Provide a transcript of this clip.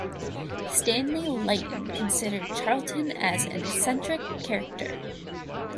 Stanley Leighton considered Charlton an "eccentric character".